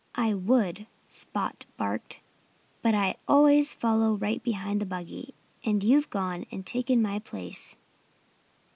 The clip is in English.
"I would," Spot barked, "but I always follow right behind the buggy; and you've gone and taken my place."